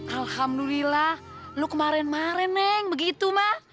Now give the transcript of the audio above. alhamdulillah lo kemarin marin neng begitu ma